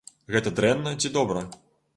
Гэта дрэнна ці добра?